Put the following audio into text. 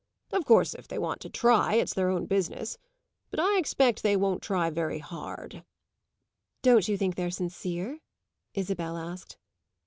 Of course if they want to try, it's their own business; but I expect they won't try very hard." "Don't you think they're sincere?" Isabel asked.